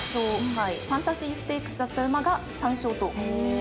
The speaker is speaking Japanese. ファンタジーステークスだった馬が３勝と。